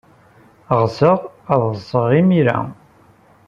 Ɣseɣ ad ḍḍseɣ imir-a.